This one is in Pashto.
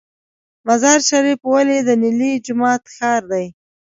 مزار شریف ولې د نیلي جومات ښار دی؟